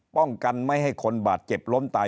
ป้องกันไม่ให้คนบาดเจ็บล้มตาย